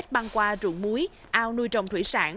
băng qua ruộng múi ao nuôi trồng thủy sản